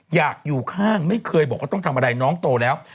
อยากอยู่ข้างไม่เคยบอกว่าต้องทำอะไรน้องโตแล้ว